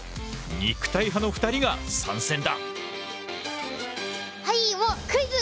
肉体派の２人が参戦だ！